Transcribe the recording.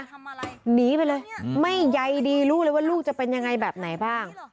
ทำอะไรหนีไปเลยไม่ใยดีรู้เลยว่าลูกจะเป็นยังไงแบบไหนบ้าง